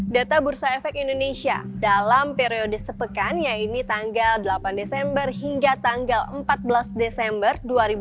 data bursa efek indonesia dalam periode sepekan yaitu tanggal delapan desember hingga tanggal empat belas desember dua ribu dua puluh